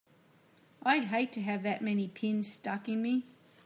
I'd hate to have that many pins stuck in me!